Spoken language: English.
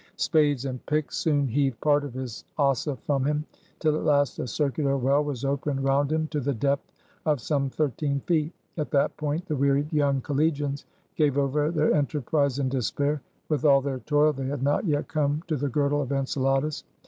Spades and picks soon heaved part of his Ossa from him, till at last a circular well was opened round him to the depth of some thirteen feet. At that point the wearied young collegians gave over their enterprise in despair. With all their toil, they had not yet come to the girdle of Enceladus.